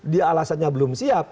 di alasannya belum siap